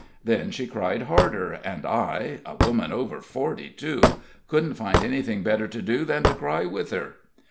Then she cried harder, and I a woman over forty, too couldn't find anything better to do than to cry with her.